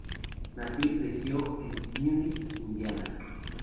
Nació y se crio en Muncie, Indiana.